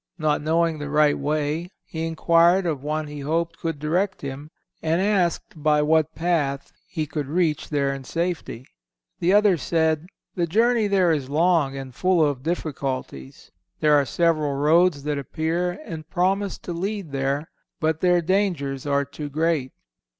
Not knowing the right way, he inquired of one he hoped could direct him, and asked by what path he could reach there in safety. The other said, "The journey there is long and full of difficulties. There are several roads that appear and promise to lead there, but their dangers are too great.